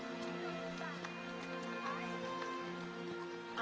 あ。